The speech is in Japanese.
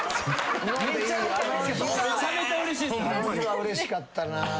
うれしかったな。